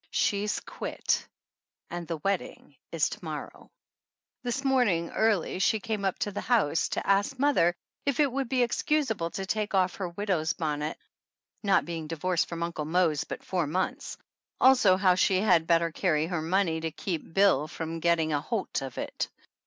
She's quit, and the wed ding is to morrow. This morning early she came up to the house 91 THE ANNALS OF ANN to ask mother if it would be excusable to take off her widow's bonnet, not being divorced from Uncle Mose but four months ; also how she had better carry her money to keep Bill from get ting "a holt" of it.